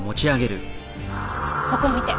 ここを見て。